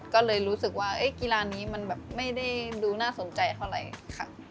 ก็เลยรู้สึกว่ากีฬานี้มันแบบไม่ได้ดูน่าสนใจเท่าไหร่ค่ะ